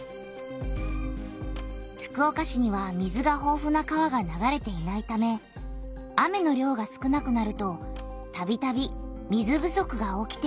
福岡市には水がほうふな川が流れていないため雨の量が少なくなるとたびたび水不足が起きていた。